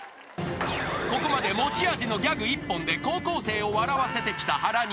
［ここまで持ち味のギャグ一本で高校生を笑わせてきた原西］